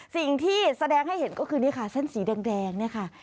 สิ่งที่แสดงให้เห็นก็คือนี่ค่ะเส้นสีแดงเนี่ยค่ะ